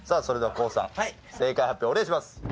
それではＫＯＯさん正解発表お願いします！